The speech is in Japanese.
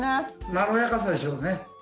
まろやかさでしょうね。